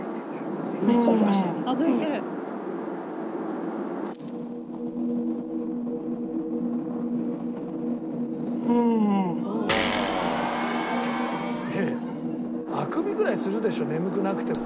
「いやいやあくびぐらいするでしょ眠くなくても」